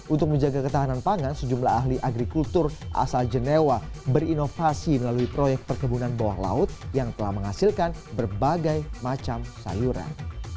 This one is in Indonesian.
untuk menjaga ketahanan pangan sejumlah ahli agrikultur asal genewa berinovasi melalui proyek perkebunan bawah laut yang telah menghasilkan berbagai macam sayuran